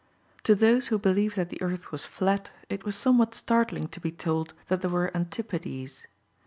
To those who believed that the earth was flat it was somewhat startling to be told that there were antipodes.